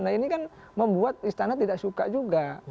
nah ini kan membuat istana tidak suka juga